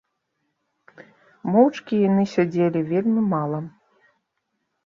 Моўчкі яны сядзелі вельмі мала.